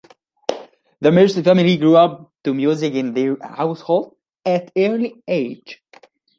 The Mercey family grew up to music in their household at an early age.